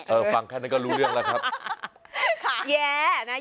เออฟังแค่นั้นก็รู้เรื่องแล้วครับ